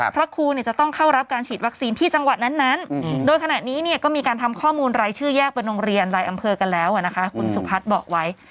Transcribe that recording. พระครูจะต้องเข้ารับการฉีดวัคซีนที่จังหวัดนั้นโดยขณะนี้เนี่ยก็มีการทำข้อมูลรายชื่อแยกเป็นโรงเรียนรายอำเภอกันแล้วนะคะคุณสุพัฒน์บอกไว้